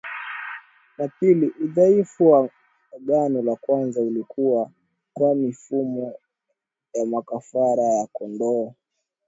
na pili udhaifu wa agano la kwanza ulikuwa kwa mifumo ya makafara ya kondoo